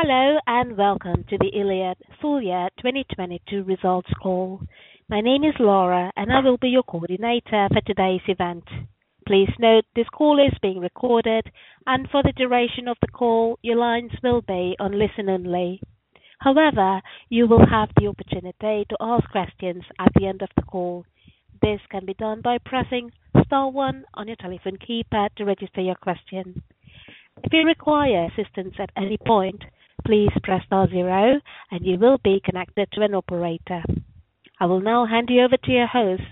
Hello, welcome to the Iliad full year 2022 results call. My name is Laura, and I will be your coordinator for today's event. Please note this call is being recorded, and for the duration of the call, your lines will be on listen only. However, you will have the opportunity to ask questions at the end of the call. This can be done by pressing star one on your telephone keypad to register your question. If you require assistance at any point, please press star zero and you will be connected to an operator. I will now hand you over to your host,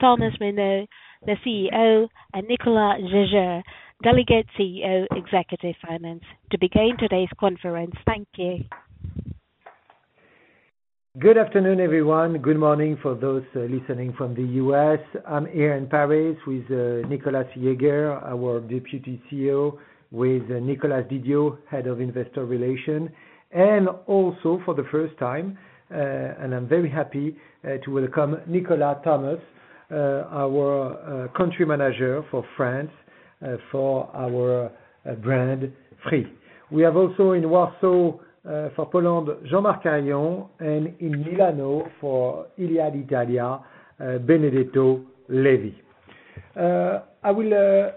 Thomas Reynaud, the CEO, and Nicolas Jaeger, Delegate CEO, Executive Finance, to begin today's conference. Thank you. Good afternoon, everyone. Good morning for those listening from the US. I'm here in Paris with Nicolas Jaeger, our Deputy CEO, with Nicolas Didiot, Head of Investor Relations, and also for the first time, and I'm very happy to welcome Nicolas Thomas, our Country Manager for France, for our brand Free. We have also in Warsaw, for Poland, Jean-Marc Harion, and in Milano for Iliad Italia, Benedetto Levi. I will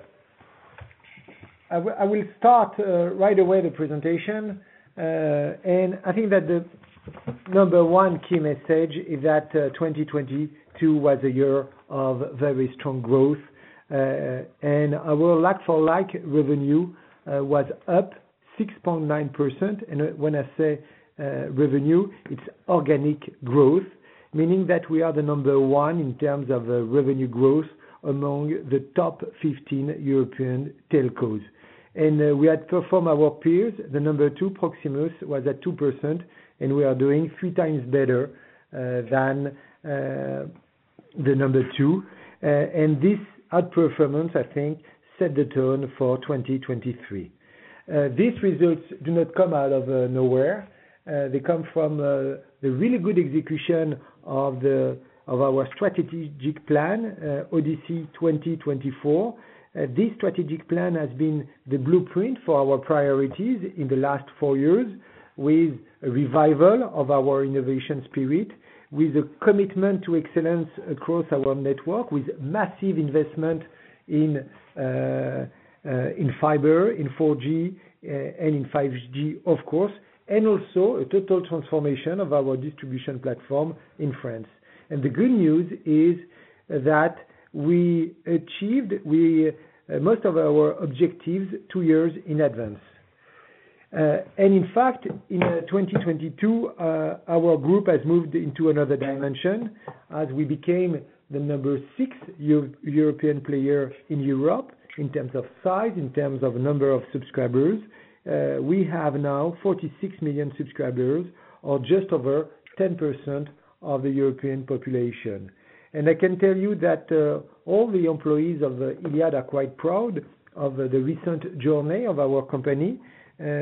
start right away the presentation. I think that the number one key message is that 2022 was a year of very strong growth. Our like for like revenue was up 6.9%. When I say revenue, it's organic growth, meaning that we are the number one in terms of the revenue growth among the top 15 European telcos. We outperform our peers. The number two Proximus was at 2%, and we are doing three times better than the number two. This outperformance, I think, set the tone for 2023. These results do not come out of nowhere. They come from the really good execution of our strategic plan, Odyssey 2024. This strategic plan has been the blueprint for our priorities in the last four years, with revival of our innovation spirit, with the commitment to excellence across our network, with massive investment in fiber, in 4G, and in 5G of course, and also a total transformation of our distribution platform in France. The good news is that we achieved most of our objectives two years in advance. In fact, in 2022, our group has moved into another dimension as we became the number six European player in Europe in terms of size, in terms of number of subscribers. We have now 46 million subscribers, or just over 10% of the European population. I can tell you that all the employees of Iliad are quite proud of the recent journey of our company.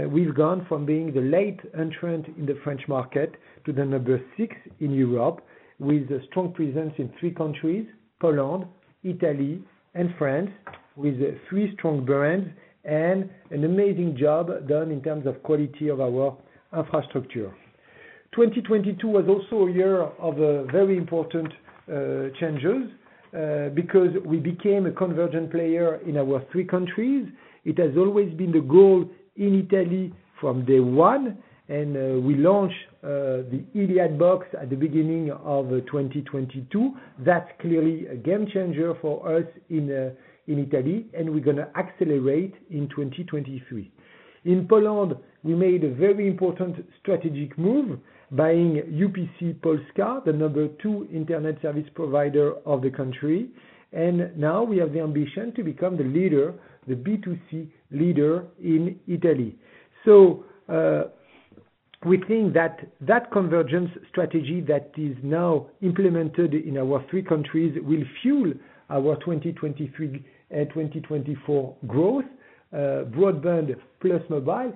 We've gone from being the late entrant in the French market to the number six in Europe, with a strong presence in three countries, Poland, Italy, and France, with three strong brands and an amazing job done in terms of quality of our infrastructure. 2022 was also a year of very important changes because we became a convergent player in our three countries. It has always been the goal in Italy from day one. We launched the iliadbox at the beginning of 2022. That's clearly a game changer for us in Italy, and we're gonna accelerate in 2023. In Poland, we made a very important strategic move buying UPC Polska, the number two internet service provider of the country. Now we have the ambition to become the leader, the B2C leader in Italy. We think that convergence strategy that is now implemented in our three countries will fuel our 2023-2024 growth, broadband plus mobile.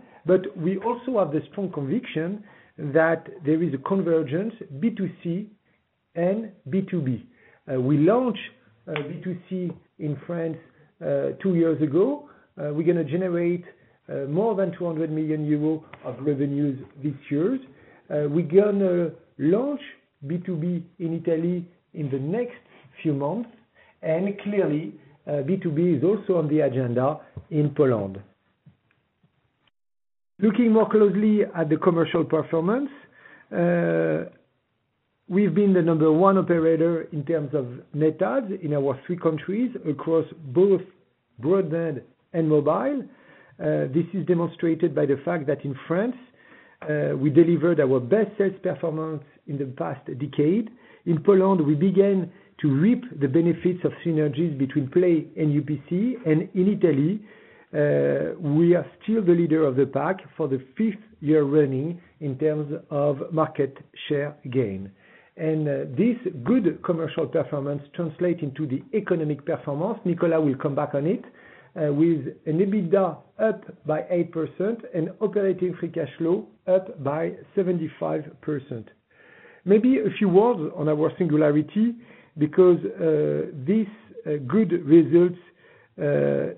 We also have the strong conviction that there is a convergence B2C and B2B. We launched B2C in France two years ago. We're gonna generate more than 200 million euro of revenues this year. We're gonna launch B2B in Italy in the next few months. Clearly, B2B is also on the agenda in Poland. Looking more closely at the commercial performance, we've been the number one operator in terms of net adds in our three countries across both broadband and mobile. This is demonstrated by the fact that in France, we delivered our best sales performance in the past decade. In Poland, we began to reap the benefits of synergies between Play and UPC. In Italy, we are still the leader of the pack for the fifth year running in terms of market share gain. This good commercial performance translate into the economic performance, Nicolas will come back on it, with an EBITDA up by 8% and operating free cash flow up by 75%. Maybe a few words on our singularity because these good results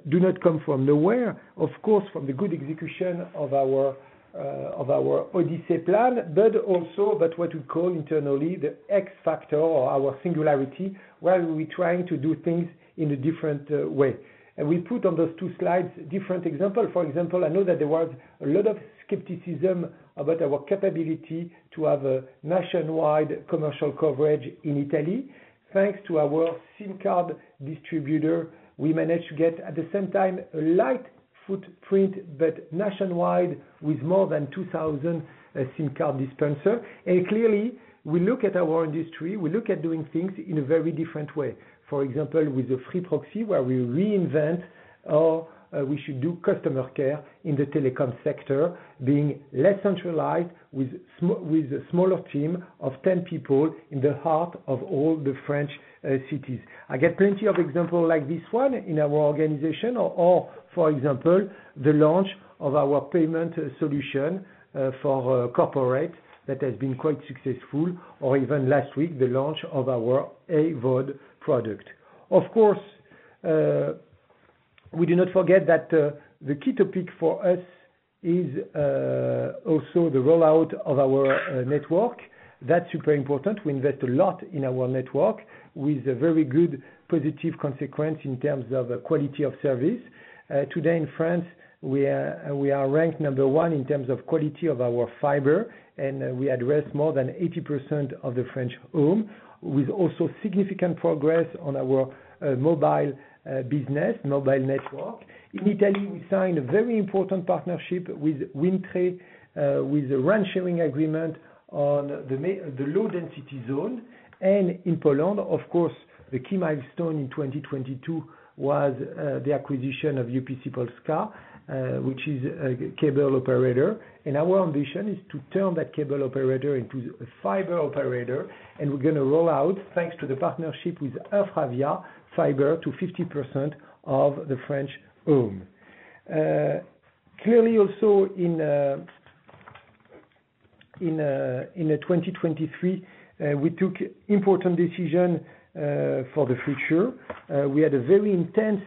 do not come from nowhere. Of course, from the good execution of our Odyssey plan, but also what we call internally the X factor or our singularity, where we're trying to do things in a different way. We put on those two slides different example. For example, I know that there was a lot of skepticism about our capability to have a nationwide commercial coverage in Italy. Thanks to our SIM card distributor, we managed to get, at the same time, a light footprint, but nationwide with more than 2,000 SIM card dispenser. Clearly, we look at our industry, we look at doing things in a very different way. For example, with the Free Proxi, where we reinvent or we should do customer care in the telecom sector, being less centralized with a smaller team of 10 people in the heart of all the French, cities. I get plenty of examples like this one in our organization or, for example, the launch of our payment solution, for corporate that has been quite successful, or even last week, the launch of our AVOD product. Of course, we do not forget that the key topic for us is also the rollout of our network. That's super important. We invest a lot in our network with a very good positive consequence in terms of quality of service. Today in France, we are ranked number one in terms of quality of our fiber, and we address more than 80% of the French home, with also significant progress on our mobile business, mobile network. In Italy, we signed a very important partnership with Wind Tre, with a rent sharing agreement on the low density zone. In Poland, of course, the key milestone in 2022 was the acquisition of UPC Polska, which is a cable operator. Our ambition is to turn that cable operator into a fiber operator. We're gonna roll out, thanks to the partnership with OVHcloud, fiber to 50% of the French home. Clearly also in 2023, we took important decision for the future. We had a very intense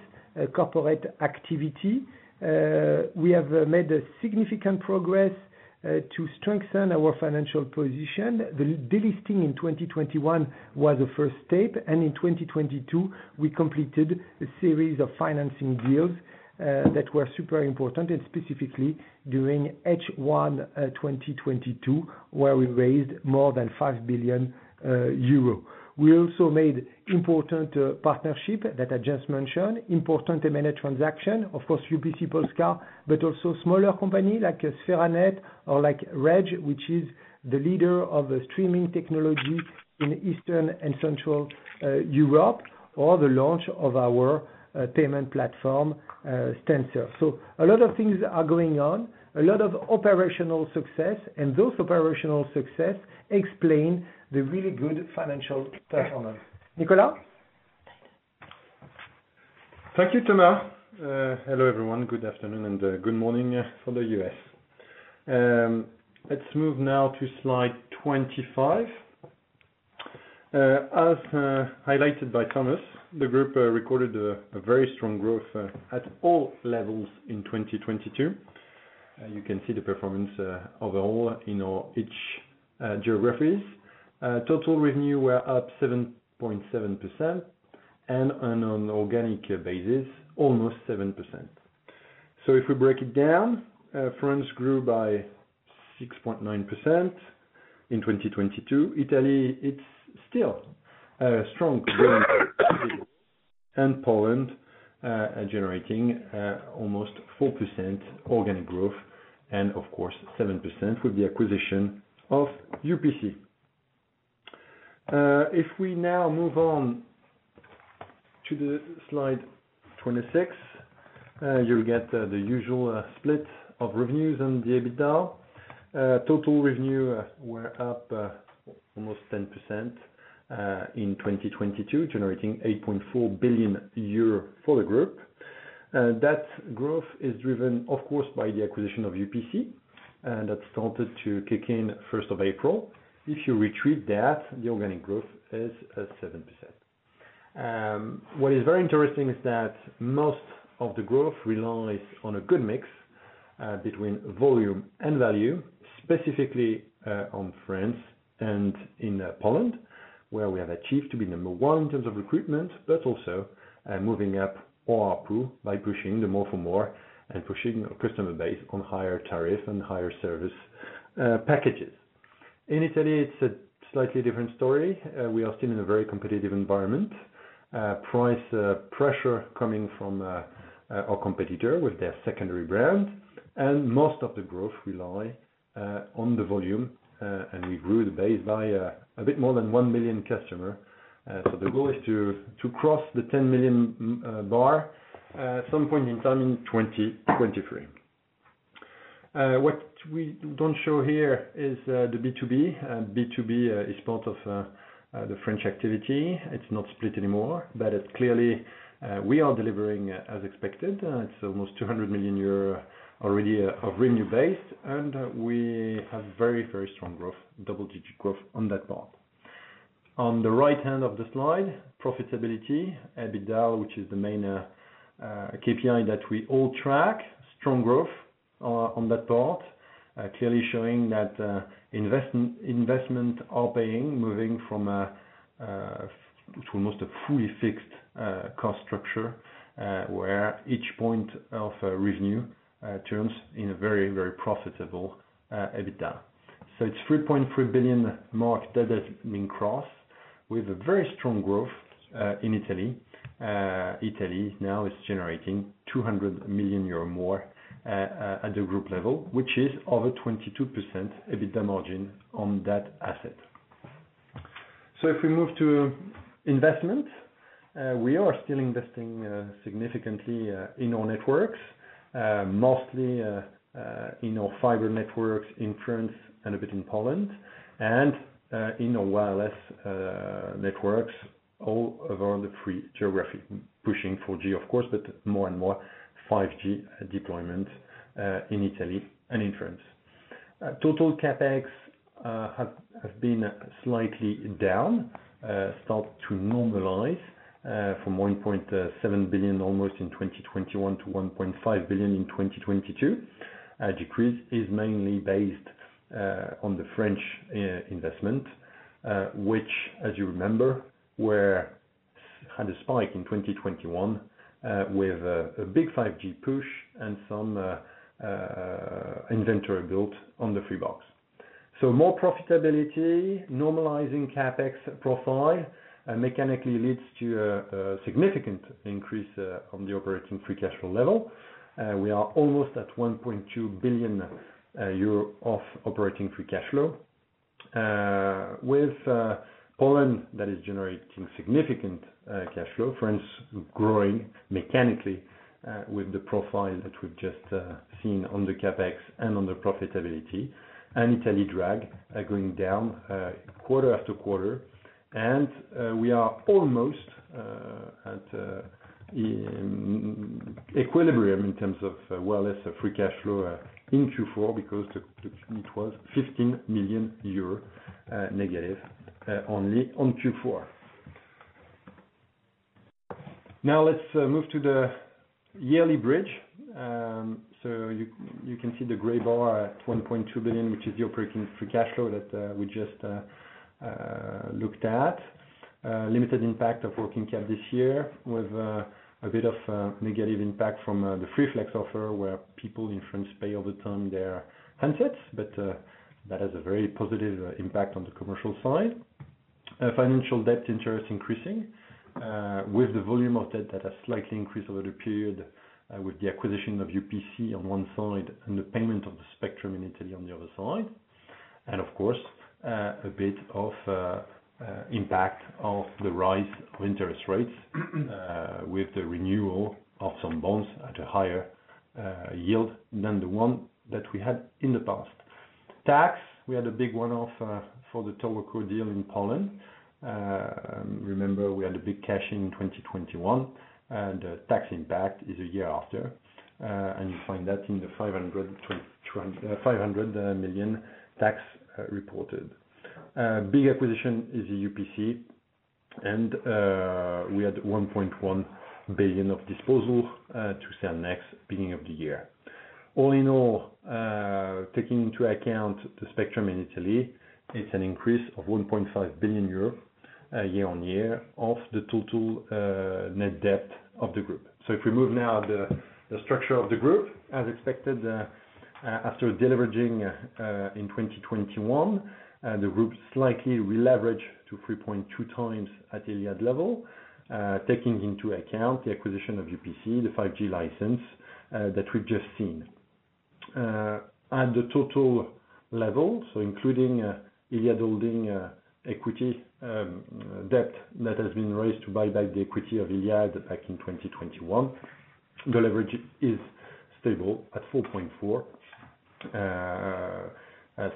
corporate activity. We have made significant progress to strengthen our financial position. The delisting in 2021 was the first step. In 2022, we completed a series of financing deals that were super important, and specifically during H1 2022, where we raised more than 5 billion euro. We also made important partnership that I just mentioned, important M&A transaction, of course, UPC Polska, but also smaller company like SferaNET or like Redge, which is the leader of the streaming technology in Eastern and Central Europe, or the launch of our payment platform, Stancer. A lot of things are going on, a lot of operational success, and those operational success explain the really good financial performance. Nicolas? Thank you, Thomas. Hello, everyone. Good afternoon and good morning, yeah, for the U.S. Let's move now to slide 25. As highlighted by Thomas, the group recorded a very strong growth at all levels in 2022. You can see the performance overall in our each geographies. Total revenue were up 7.7% and on an organic basis, almost 7%. If we break it down, France grew by 6.9% in 2022. Italy, it's still a strong growth. Poland, generating almost 4% organic growth and of course, 7% with the acquisition of UPC. If we now move on to the slide 26, you'll get the usual split of revenues and the EBITDA. Total revenue were up almost 10% in 2022, generating 8.4 billion euro for the group. That growth is driven, of course, by the acquisition of UPC, and that started to kick in 1st of April. If you retrieve that, the organic growth is at 7%. What is very interesting is that most of the growth relies on a good mix between volume and value, specifically on France and in Poland, where we have achieved to be number one in terms of recruitment, but also moving up or approved by pushing the more for more and pushing our customer base on higher tariff and higher service packages. In Italy, it's a slightly different story. We are still in a very competitive environment. Price pressure coming from our competitor with their secondary brand. Most of the growth rely on the volume, and we grew the base by a bit more than 1 million customer. The goal is to cross the 10 million bar some point in time in 2023. What we don't show here is the B2B. B2B is part of the French activity. It's not split anymore, but it's clearly, we are delivering as expected. It's almost 200 million euro already of revenue base, and we have very, very strong growth, double-digit growth on that part. On the right hand of the slide, profitability, EBITDA, which is the main KPI that we all track. Strong growth on that part, clearly showing that investment are paying, moving from to almost a fully fixed cost structure, where each point of revenue turns in a very, very profitable EBITDA. It's 3.3 billion mark that has been crossed with a very strong growth in Italy. Italy now is generating 200 million euro more at the group level, which is over 22% EBITDA margin on that asset. If we move to investment, we are still investing significantly in our networks, mostly in our fiber networks in France and a bit in Poland and in our wireless networks all over the three geography. Pushing 4G, of course, but more and more 5G deployment in Italy and in France. Total CapEx have been slightly down, start to normalize from 1.7 billion almost in 2021 to 1.5 billion in 2022. Decrease is mainly based on the French investment, which as you remember, had a spike in 2021 with a big 5G push and some inventory built on the Freebox. More profitability, normalizing CapEx profile mechanically leads to a significant increase on the operating free cash flow level. We are almost at 1.2 billion euro of operating free cash flow. With Poland that is generating significant cash flow. France growing mechanically with the profile that we've just seen on the CapEx and on the profitability. Italy drag going down quarter after quarter. We are almost at equilibrium in terms of wireless free cash flow in Q4 because it was 15 million euro negative only on Q4. Now let's move to the yearly bridge. You can see the gray bar at 1.2 billion, which is the operating free cash flow that we just looked at. Limited impact of working cap this year with a bit of negative impact from the Free Flex offer, where people in France pay all the time their handsets. That has a very positive impact on the commercial side. Financial debt interest increasing with the volume of debt that has slightly increased over the period with the acquisition of UPC on one side and the payment of the spectrum in Italy on the other side. Of course, a bit of impact of the rise of interest rates with the renewal of some bonds at a higher yield than the one that we had in the past. Tax, we had a big one-off for the TowerCo deal in Poland. Remember we had a big cash in 2021, the tax impact is a year after. You find that in the 500 million tax reported. Big acquisition is the UPC, we had 1.1 billion of disposal to Cellnex beginning of the year. All in all, taking into account the spectrum in Italy, it's an increase of 1.5 billion euros year-on-year off the total net debt of the group. If we move now the structure of the group, as expected, after deleveraging in 2021, the group slightly deleveraged to 3.2 times at Iliad level, taking into account the acquisition of UPC, the 5G license that we've just seen. At the total level, so including Iliad Holding equity, debt that has been raised to buy back the equity of Iliad back in 2021, the leverage is stable at 4.4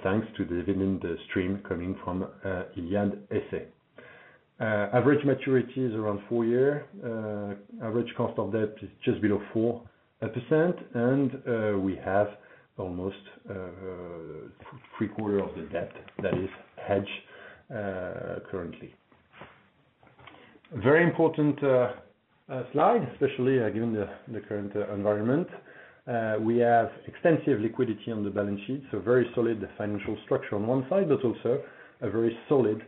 thanks to the dividend, the stream coming from Iliad SA. Average maturity is around four year. Average cost of debt is just below 4%. We have almost three quarter of the debt that is hedged currently. Very important slide, especially given the current environment. We have extensive liquidity on the balance sheet, so very solid financial structure on one side, but also a very solid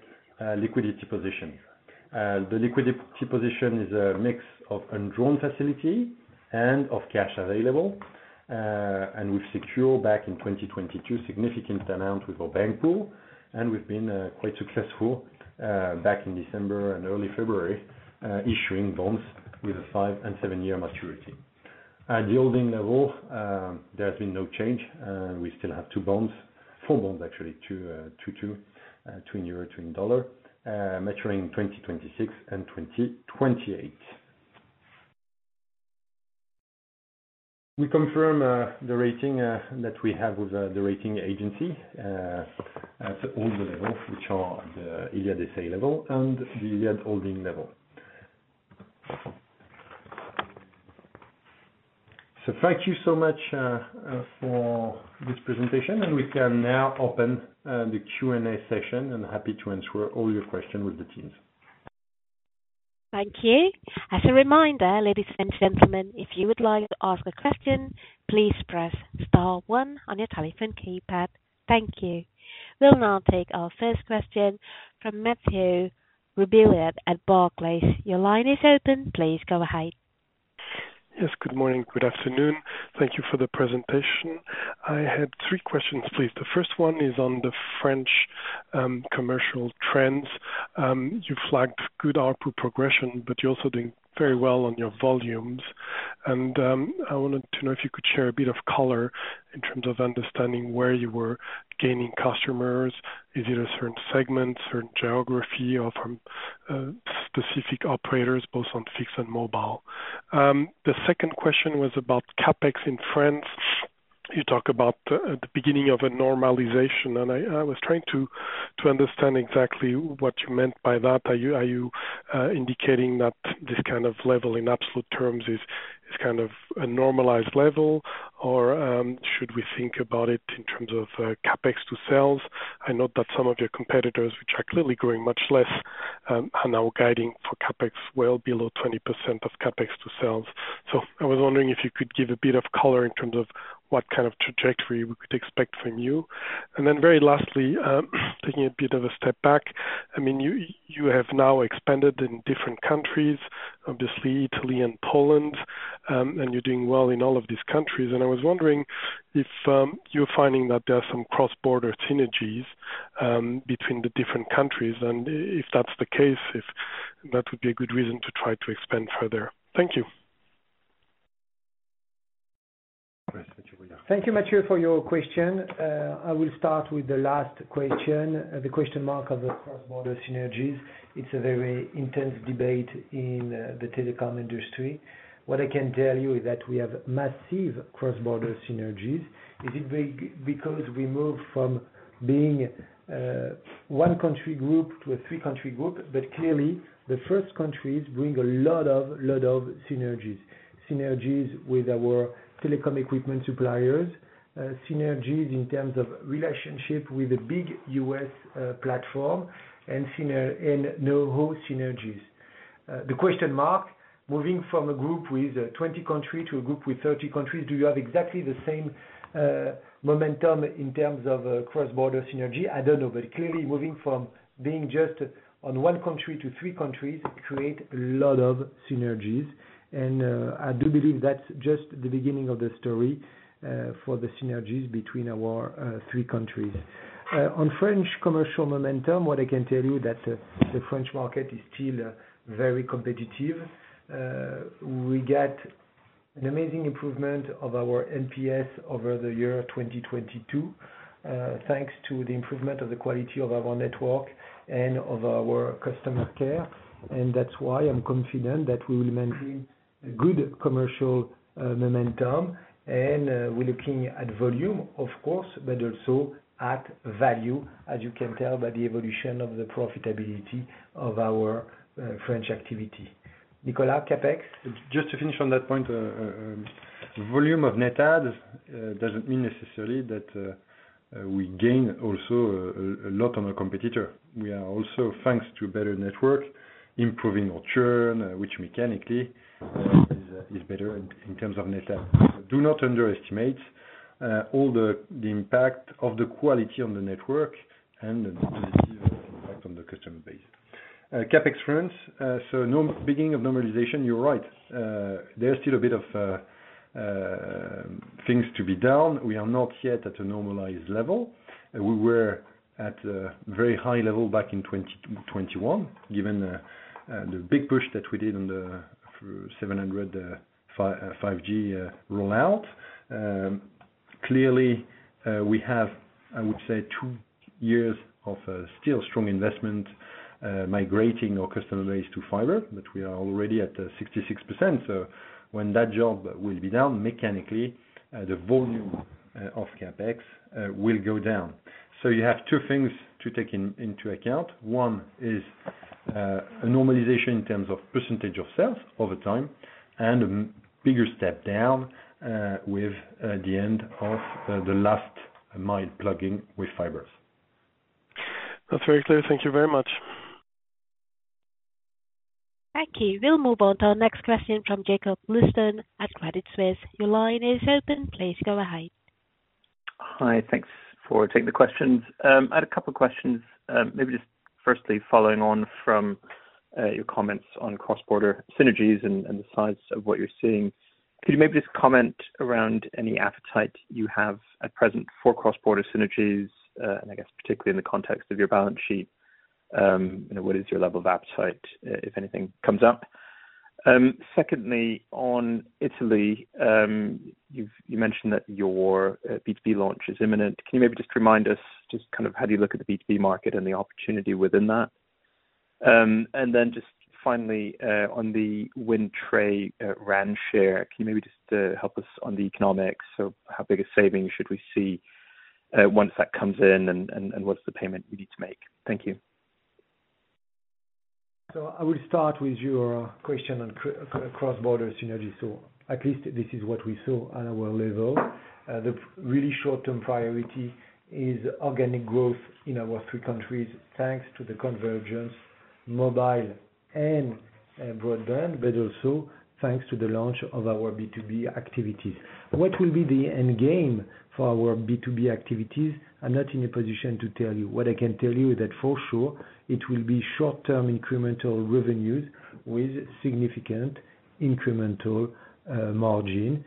liquidity position. The liquidity position is a mix of undrawn facility and of cash available. And we've secured back in 2022 significant amount with our bank pool, and we've been quite successful back in December and early February issuing bonds with a 5 and 7-year maturity. At the holding level, there has been no change. We still have two bonds, four bonds actually, 2-2. Twin EUR, twin USD, maturing in 2026 and 2028. We confirm the rating that we have with the rating agency at all the levels, which are the Iliad SA level and the Iliad Holding level. Thank you so much for this presentation. We can now open the Q&A session, and happy to answer all your question with the teams. Thank you. As a reminder, ladies and gentlemen, if you would like to ask a question, please press star one on your telephone keypad. Thank you. We'll now take our first question from Mathieu Robilliard at Barclays. Your line is open. Please go ahead. Yes, good morning. Good afternoon. Thank you for the presentation. I had three questions, please. The first one is on the French commercial trends. You flagged good output progression, but you're also doing very well on your volumes. I wanted to know if you could share a bit of color in terms of understanding where you were gaining customers. Is it a certain segment, certain geography or from specific operators both on fixed and mobile? The second question was about CapEx in France. You talk about the beginning of a normalization, I was trying to understand exactly what you meant by that. Are you indicating that this kind of level in absolute terms is kind of a normalized level? Should we think about it in terms of CapEx to sales? I know that some of your competitors, which are clearly growing much less, are now guiding for CapEx well below 20% of CapEx to sales. I was wondering if you could give a bit of color in terms of what kind of trajectory we could expect from you. Very lastly, taking a bit of a step back, you have now expanded in different countries, obviously Italy and Poland, and you're doing well in all of these countries. I was wondering if you're finding that there are some cross-border synergies between the different countries, and if that's the case, if that would be a good reason to try to expand further. Thank you. Thank you, Mathieu, for your question. I will start with the last question, the question mark of the cross-border synergies. It's a very intense debate in the telecom industry. What I can tell you is that we have massive cross-border synergies. Is it because we move from being one country group to a three countries group, but clearly the first countries bring a lot of synergies. Synergies with our telecom equipment suppliers, synergies in terms of relationship with the big U.S. platform and no whole synergies. The question mark, moving from a group with 20 countries to a group with 30 countries, do you have exactly the same momentum in terms of cross-border synergy? I don't know. Clearly moving from being just on one country to three countries create a lot of synergies. I do believe that's just the beginning of the story for the synergies between our three countries. On French commercial momentum, what I can tell you that the French market is still very competitive. We get an amazing improvement of our NPS over the year 2022, thanks to the improvement of the quality of our network and of our customer care. That's why I'm confident that we will maintain a good commercial momentum. We're looking at volume, of course, but also at value, as you can tell by the evolution of the profitability of our French activity. Nicolas, CapEx. Just to finish on that point, volume of net add doesn't mean necessarily that we gain also a lot on our competitor. We are also, thanks to better network, improving our churn, which mechanically is better in terms of net add. Do not underestimate all the impact of the quality on the network and the positive impact on the customer base. CapEx France. Beginning of normalization, you're right. There's still a bit of things to be done. We are not yet at a normalized level. We were at a very high level back in 2021, given the big push that we did on the, for 700 MHz 5G rollout. Clearly, we have, I would say, two years of still strong investment, migrating our customer base to fiber, but we are already at 66%. When that job will be done mechanically, the volume of CapEx will go down. You have two things to take into account. One is a normalization in terms of percentage of sales over time, and a bigger step down with the end of the last mile plugin with fibers. That's very clear. Thank you very much. Thank you. We'll move on to our next question from Jakob Bluestone at Credit Suisse. Your line is open. Please go ahead. Hi. Thanks for taking the questions. I had a couple questions. Maybe just firstly, following on from your comments on cross-border synergies and the size of what you're seeing. Could you maybe just comment around any appetite you have at present for cross-border synergies, and I guess particularly in the context of your balance sheet, you know, what is your level of appetite if anything comes up? Secondly, on Italy, you've mentioned that your B2B launch is imminent. Can you maybe just remind us just kind of how do you look at the B2B market and the opportunity within that? Just finally, on the Wind Tre RAN share, can you maybe just help us on the economics? How big a savings should we see, once that comes in and what's the payment we need to make? Thank you. I will start with your question on cross border synergy. At least this is what we saw at our level. The really short term priority is organic growth in our three countries, thanks to the convergence mobile and broadband, but also thanks to the launch of our B2B activity. What will be the end game for our B2B activities? I'm not in a position to tell you. I can tell you that for sure it will be short term incremental revenues with significant incremental margin.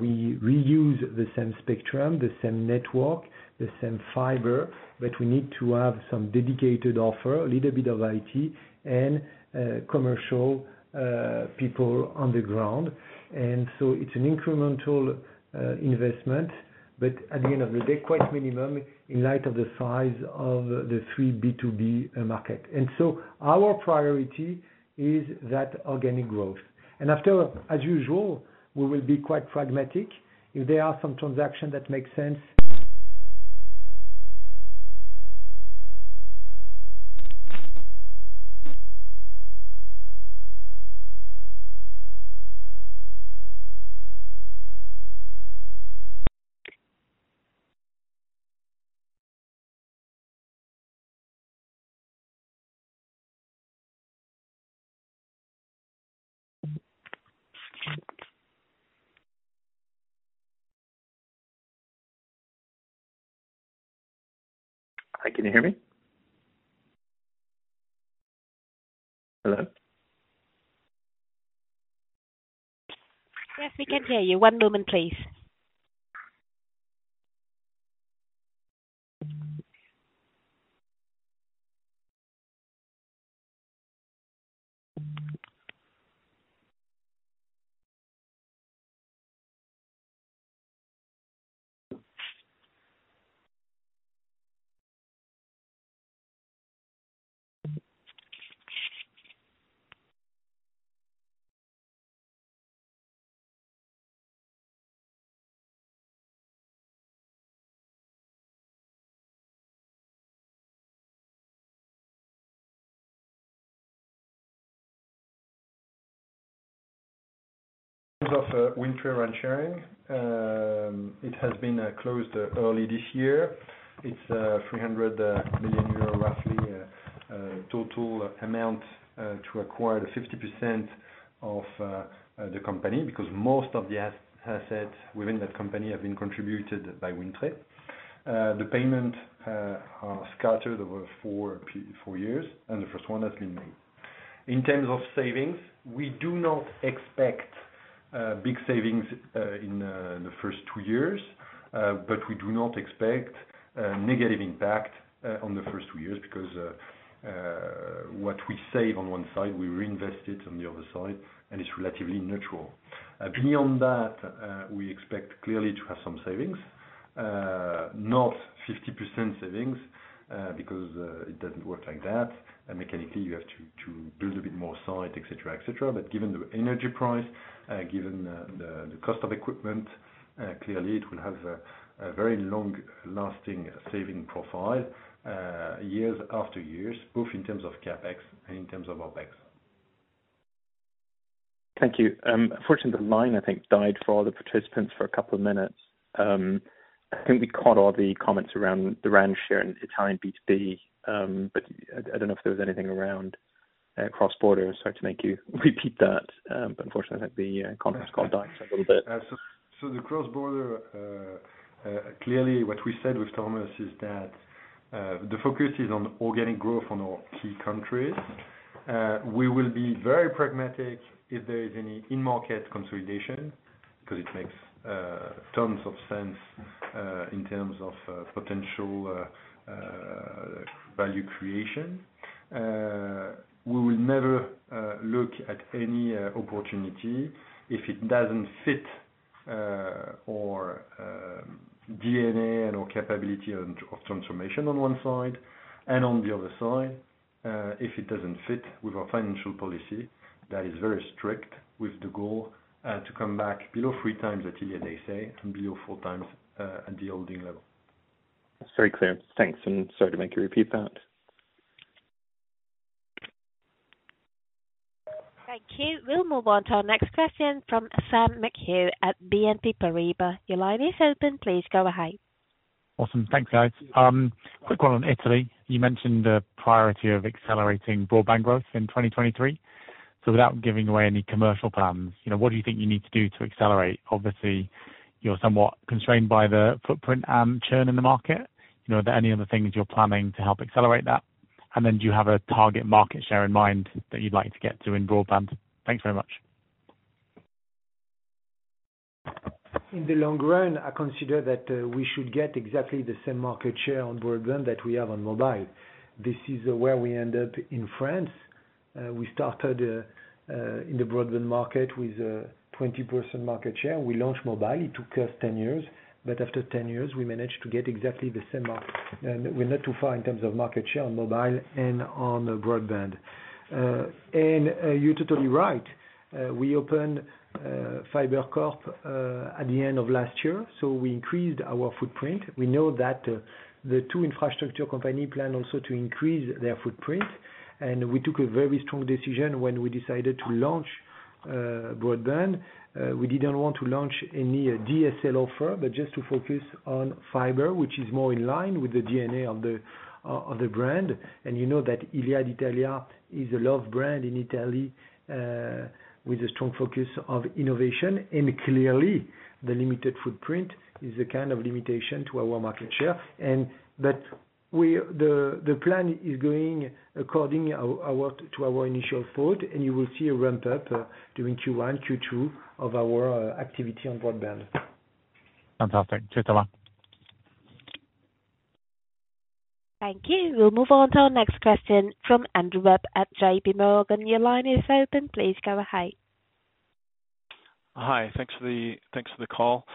We reuse the same spectrum, the same network, the same fiber, but we need to have some dedicated offer, a little bit of IT and commercial people on the ground. It's an incremental investment, but at the end of the day, quite minimum in light of the size of the three B2B market. Our priority is that organic growth. After, as usual, we will be quite pragmatic if there are some transactions that make sense. Hi, can you hear me? Hello? Yes, we can hear you. One moment please. Of Wind Tre RAN sharing. It has been closed early this year. It's 300 million euro roughly total amount to acquire the 50% of the company because most of the assets within that company have been contributed by Wind Tre. The payment are scattered over four years, and the first has been made. In terms of savings, we do not expect big savings in the first two years. We do not expect negative impact on the first two years because what we save on one side, we reinvest it on the other side, and it's relatively neutral. Beyond that, we expect clearly to have some savings, not 50% savings, because it doesn't work like that. Mechanically you have to build a bit more site, et cetera, et cetera. But given the energy price, given the cost of equipment, clearly it will have a very long-lasting saving profile, years after years, both in terms of CapEx and in terms of OpEx. Thank you. unfortunately the line I think died for all the participants for a couple of minutes. I think we caught all the comments around the RAN Share and Italian B2B, I don't know if there was anything around cross border. Sorry to make you repeat that. Unfortunately I think the conference call died for a little bit. The cross border, clearly what we said with Thomas is that, the focus is on organic growth on our key countries. We will be very pragmatic if there is any in-market consolidation, 'cause it makes tons of sense, in terms of potential value creation. We will never look at any opportunity if it doesn't fit our DNA and our capability and of transformation on one side, and on the other side, if it doesn't fit with our financial policy that is very strict with the goal to come back below three times the EBITDA and below four times at the holding level. Very clear. Thanks, and sorry to make you repeat that. Thank you. We'll move on to our next question from Sam McHugh at BNP Paribas. Your line is open. Please go ahead. Awesome. Thanks guys. Quick one on Italy. You mentioned the priority of accelerating broadband growth in 2023. Without giving away any commercial plans, you know, what do you think you need to do to accelerate? Obviously you're somewhat constrained by the footprint and churn in the market. You know, are there any other things you're planning to help accelerate that? Do you have a target market share in mind that you'd like to get to in broadband? Thanks very much. In the long run, I consider that, we should get exactly the same market share on broadband that we have on mobile. This is where we end up in France. We started in the broadband market with a 20% market share. We launched mobile. It took us 10 years, but after 10 years, we managed to get exactly the same mark. We're not too far in terms of market share on mobile and on the broadband. You're totally right. We opened FiberCop at the end of last year. We increased our footprint. We know that the two infrastructure company plan also to increase their footprint. We took a very strong decision when we decided to launch broadband. We didn't want to launch any DSL offer, but just to focus on fiber, which is more in line with the DNA of the brand. You know that Iliad Italia is a love brand in Italy with a strong focus of innovation. Clearly the limited footprint is a kind of limitation to our market share. That the plan is going according to our initial thought, and you will see a ramp up during Q1, Q2 of our activity on broadband. Fantastic. Cheers, Thomas. Thank you. We'll move on to our next question from Andrew Webb at JP Morgan. Your line is open. Please go ahead. Hi. Thanks for the call.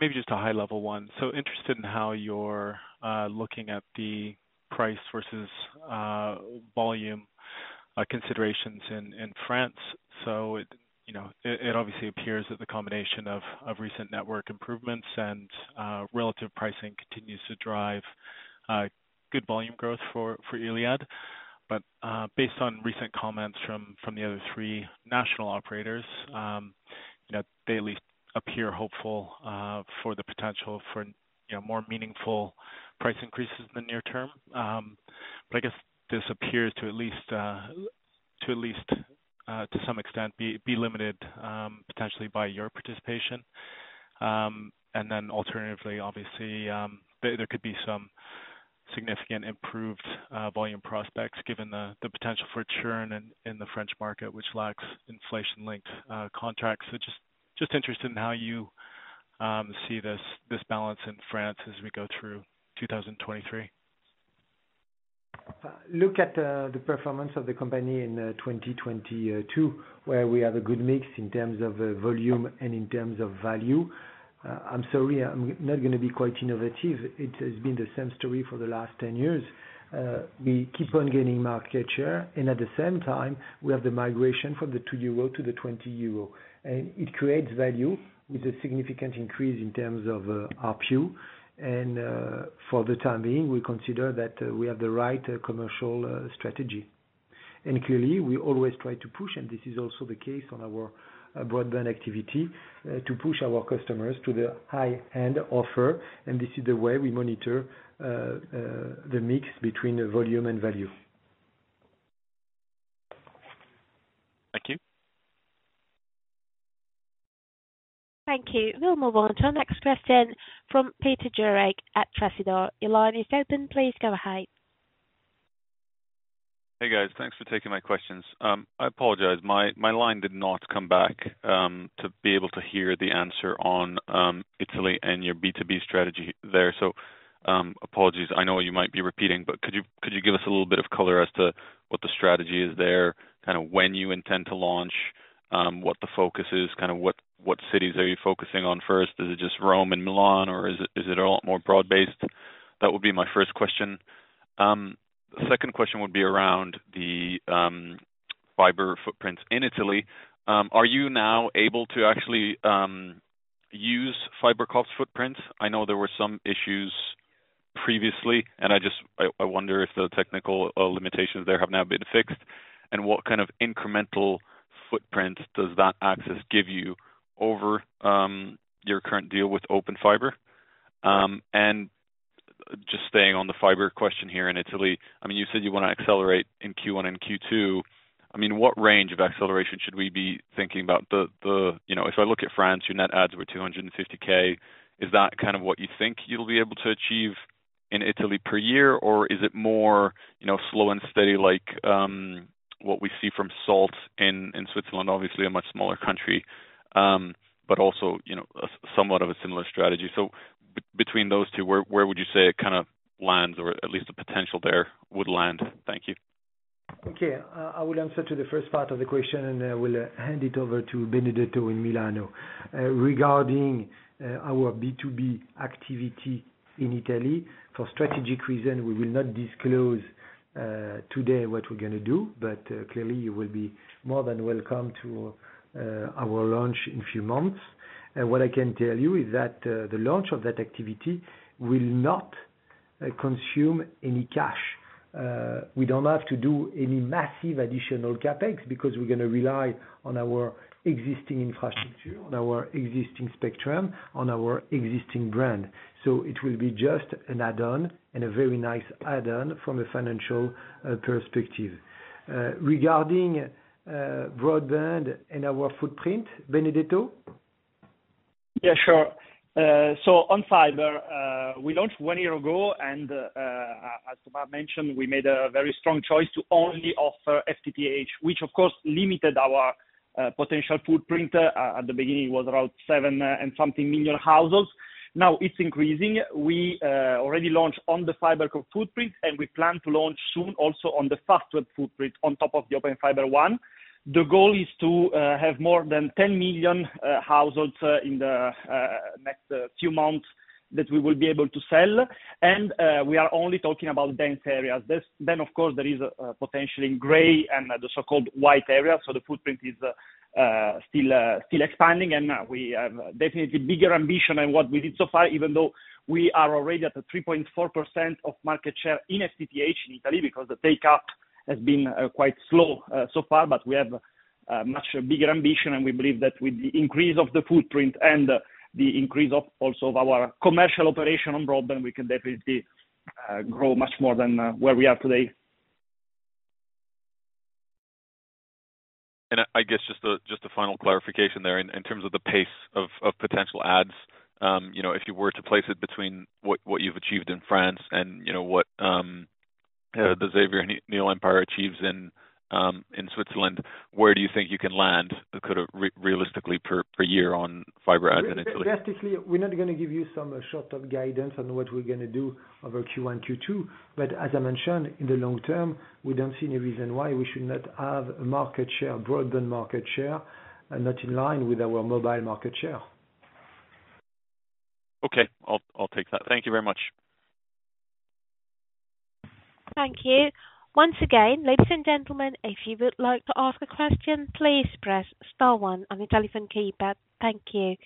Maybe just a high level one. Interested in how you're looking at the price versus volume considerations in France. It, you know, it obviously appears that the combination of recent network improvements and relative pricing continues to drive good volume growth for Iliad. Based on recent comments from the other three national operators, you know, they at least appear hopeful for the potential for, you know, more meaningful price increases in the near term. I guess this appears to at least to some extent be limited potentially by your participation. Alternatively, obviously, there could be some significant improved volume prospects given the potential for churn in the French market, which lacks inflation-linked contracts. Just interested in how you see this balance in France as we go through 2023. Look at the performance of the company in 2022, where we have a good mix in terms of volume and in terms of value. I'm sorry, I'm not gonna be quite innovative. It has been the same story for the last 10 years. We keep on gaining market share, and at the same time we have the migration from the 2 euro to the 20 euro. It creates value with a significant increase in terms of ARPU. For the time being, we consider that we have the right commercial strategy. Clearly we always try to push, and this is also the case on our broadband activity, to push our customers to the high-end offer. This is the way we monitor the mix between the volume and value. Thank you. Thank you. We'll move on to our next question from Peter Jorrick at Tracey Door. Your line is open. Please go ahead. Hey, guys. Thanks for taking my questions. I apologize, my line did not come back to be able to hear the answer on Italy and your B2B strategy there. Apologies. I know you might be repeating, but could you give us a little bit of color as to what the strategy is there? Kinda when you intend to launch, what the focus is? Kinda what cities are you focusing on first? Is it just Rome and Milan, or is it a lot more broad-based? That would be my first question. Second question would be around the fiber footprints in Italy. Are you now able to actually use FiberCop's footprints? I know there were some issues previously, and I just wonder if the technical limitations there have now been fixed. What kind of incremental footprint does that access give you over your current deal with Open Fiber? Just staying on the fiber question here in Italy, I mean, you said you wanna accelerate in Q1 and Q2. I mean, what range of acceleration should we be thinking about? You know, if I look at France, your net adds were 250K. Is that kind of what you think you'll be able to achieve in Italy per year? Is it more, you know, slow and steady like what we see from Salt in Switzerland? Obviously a much smaller country, also, you know, somewhat of a similar strategy. Between those two, where would you say it kinda lands or at least the potential there would land? Thank you. Okay. I will answer to the first part of the question, and I will hand it over to Benedetto in Milano. Regarding our B2B activity in Italy, for strategic reason, we will not disclose today what we're gonna do. Clearly you will be more than welcome to our launch in few months. What I can tell you is that the launch of that activity will not consume any cash. We don't have to do any massive additional CapEx because we're gonna rely on our existing infrastructure, on our existing spectrum, on our existing brand. It will be just an add-on and a very nice add-on from a financial perspective. Regarding broadband and our footprint, Benedetto? Yeah, sure. On fiber, we launched one year ago, as Thomas mentioned, we made a very strong choice to only offer FTTH, which of course limited our potential footprint. At the beginning, it was around seven and something million households. Now it's increasing. We already launched on the FiberCop footprint, and we plan to launch soon also on the Fastweb footprint on top of the Open Fiber one. The goal is to have more than 10 million households in the next few months that we will be able to sell. We are only talking about dense areas. Of course, there is potential in gray and the so-called white areas, the footprint is still expanding. We have definitely bigger ambition than what we did so far, even though we are already at a 3.4% of market share in FTTH in Italy because the take up has been quite slow so far. We have a much bigger ambition, and we believe that with the increase of the footprint and the increase of also of our commercial operation on broadband, we can definitely grow much more than where we are today. I guess just a final clarification there in terms of the pace of potential adds, you know, if you were to place it between what you've achieved in France and, you know, what, the Xavier Niel empire achieves in Switzerland, where do you think you can land could it realistically per year on fiber add in Italy? Realistically, we're not gonna give you some short of guidance on what we're gonna do over Q1, Q2. As I mentioned, in the long term, we don't see any reason why we should not have market share, broaden market share and not in line with our mobile market share. Okay. I'll take that. Thank you very much. Thank you. Once again, ladies and gentlemen, if you would like to ask a question, please press star 1 on your telephone keypad. Thank you.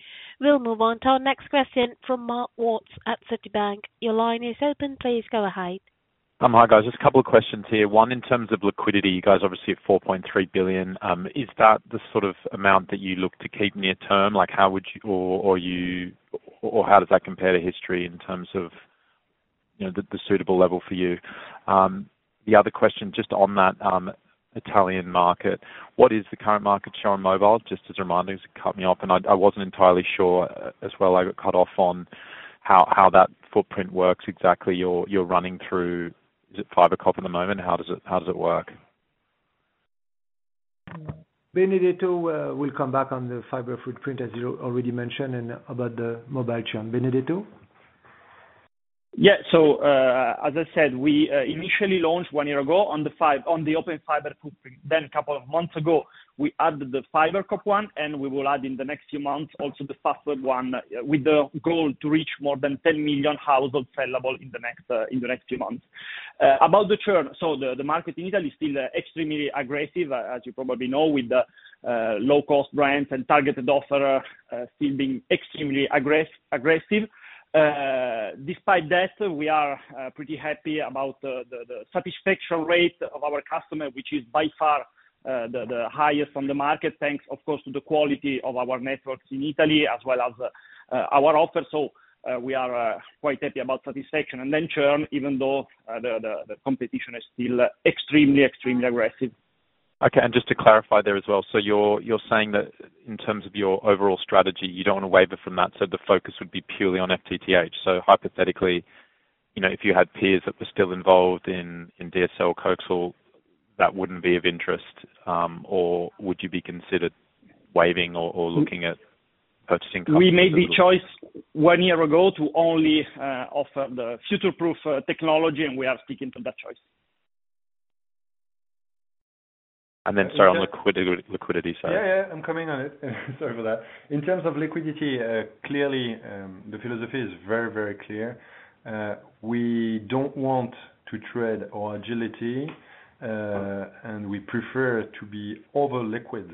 We'll move on to our next question from Marko Watts at Citi. Your line is open. Please go ahead. Hi, guys. Just a couple of questions here. One, in terms of liquidity, you guys obviously have 4.3 billion. Is that the sort of amount that you look to keep near term? Like how would you, or how does that compare to history in terms of, you know, the suitable level for you? The other question, just on that Italian market, what is the current market share on mobile? Just as a reminder, 'cause it cut me off, and I wasn't entirely sure as well, I got cut off on how that footprint works exactly. You're running through, is it FiberCop at the moment? How does it work? Benedetto, will come back on the fiber footprint, as you already mentioned, and about the mobile churn. Benedetto? As I said, we initially launched one year ago on the Open Fiber footprint. A couple of months ago, we added the FiberCop one, and we will add in the next few months also the Fastweb one with the goal to reach more than 10 million households sellable in the next few months. About the churn. The market in Italy is still extremely aggressive, as you probably know, with the low cost brands and targeted offer still being extremely aggressive. Despite that, we are pretty happy about the satisfaction rate of our customer, which is by far the highest on the market. Thanks, of course, to the quality of our networks in Italy as well as our offer. We are quite happy about satisfaction. Churn, even though, the competition is still extremely aggressive. Okay. Just to clarify there as well, so you're saying that in terms of your overall strategy, you don't wanna waver from that, so the focus would be purely on FTTH. Hypothetically, you know, if you had peers that were still involved in DSL or coaxial, that wouldn't be of interest, or would you be considered waiving or looking at purchasing costs as a little... We made the choice one year ago to only offer the future-proof technology. We are sticking to that choice. Sorry, on liquidity side. Yeah, yeah, I'm coming on it. Sorry about that. In terms of liquidity, clearly, the philosophy is very, very clear. We don't want to tread our agility, and we prefer to be over-liquid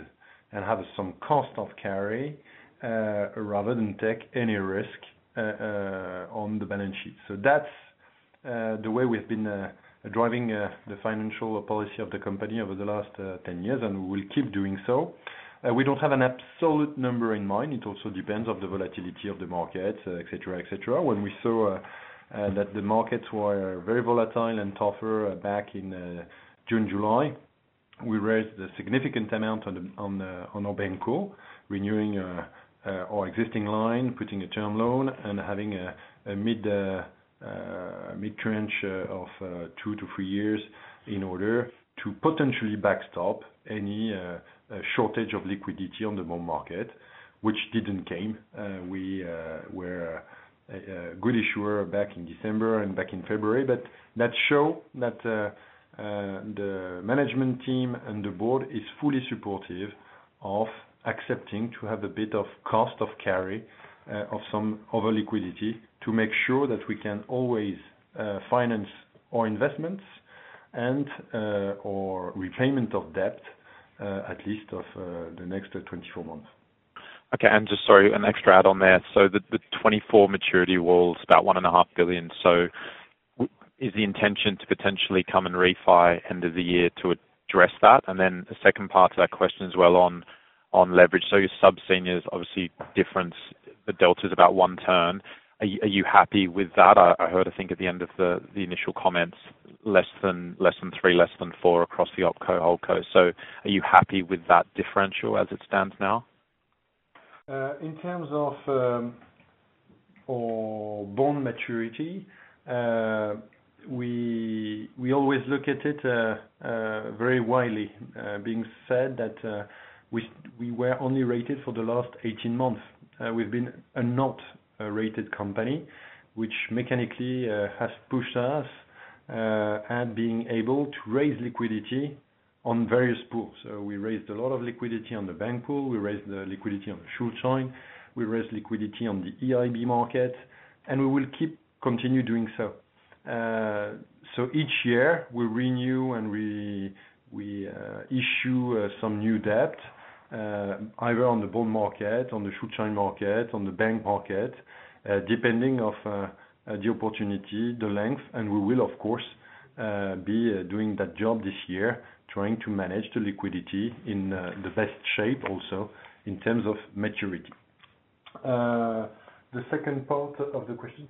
and have some cost of carry, rather than take any risk on the balance sheet. That's the way we've been driving the financial policy of the company over the last 10 years. We will keep doing so. We don't have an absolute number in mind. It also depends on the volatility of the market, et cetera, et cetera. When we saw, that the markets were very volatile and tougher back in June, July, we raised a significant amount on our bank call, renewing our existing line, putting a term loan and having a mid-trench of two to three years in order to potentially backstop any shortage of liquidity on the bond market, which didn't came. We were a good issuer back in December and back in February. That show that the management team and the board is fully supportive of accepting to have a bit of cost of carry of some over liquidity to make sure that we can always finance our investments and or repayment of debt at least of the next 24 months. Okay. Just, sorry, an extra add on there. The 24 maturity was about 1.5 billion. Is the intention to potentially come and refi end of the year to address that? The second part to that question as well on leverage. Your sub-seniors obviously difference, the delta's about one turn. Are you happy with that? I heard, I think at the end of the initial comments, less than three, less than four across the OpCo, HoldCo. Are you happy with that differential as it stands now? In terms of for bond maturity, we always look at it very widely. Being said that, we were only rated for the last 18 months. We've been a not a rated company which mechanically has pushed us at being able to raise liquidity on various pools. We raised a lot of liquidity on the bank pool. We raised the liquidity on the Schuldschein. We raised liquidity on the EIB market, we will keep continue doing so. Each year we renew and we issue some new debt either on the bond market, on the Schuldschein market, on the bank market, depending of the opportunity, the length. We will, of course, be doing that job this year, trying to manage the liquidity in the best shape also in terms of maturity. The second part of the question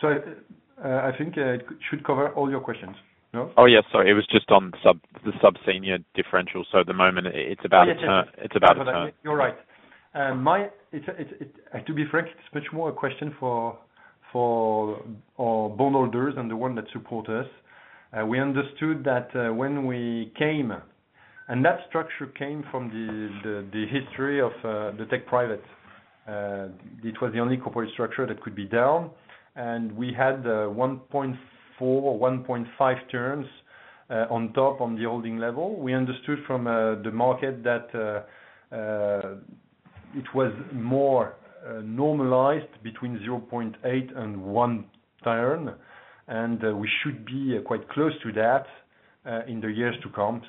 Sorry. I think it should cover all your questions. No? yes, sorry. It was just on sub, the sub senior differential. At the moment it's about a turn. It's about a turn. You're right. To be frank, it's much more a question for our bondholders and the one that support us. We understood that structure came from the history of the tech private. It was the only corporate structure that could be down, and we had 1.4-1.5 turns on top, on the holding level. We understood from the market that it was more normalized between 0.8 and 1 turn. We should be quite close to that in the years to come.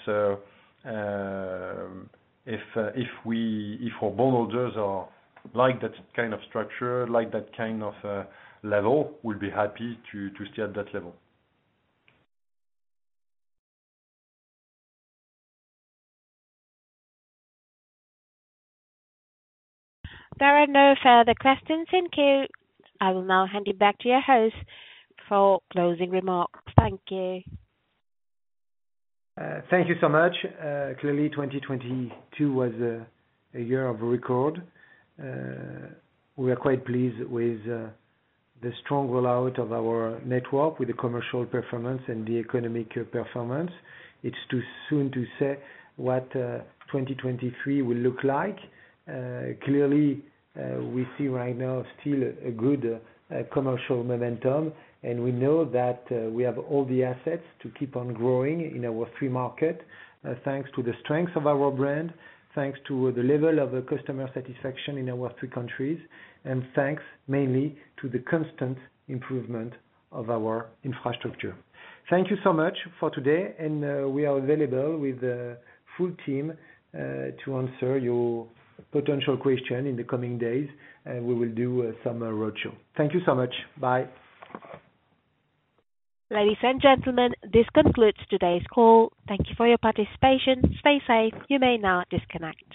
If our bondholders are like that kind of structure, that kind of level, we'll be happy to stay at that level. There are no further questions in queue. I will now hand it back to your host for closing remarks. Thank you. Thank you so much. Clearly 2022 was a year of record. We are quite pleased with the strong rollout of our network, with the commercial performance and the economic performance. It's too soon to say what 2023 will look like. Clearly, we see right now still a good commercial momentum, and we know that we have all the assets to keep on growing in our free market, thanks to the strength of our brand, thanks to the level of customer satisfaction in our three countries, and thanks mainly to the constant improvement of our infrastructure. Thank you so much for today, and we are available with the full team to answer your potential question in the coming days, and we will do some roadshow. Thank you so much. Bye. Ladies and gentlemen, this concludes today's call. Thank you for your participation. Stay safe. You may now disconnect.